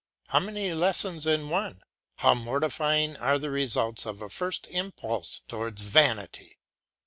How many lessons in one! How mortifying are the results of a first impulse towards vanity!